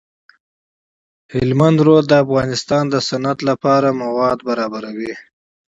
هلمند سیند د افغانستان د صنعت لپاره مواد برابروي.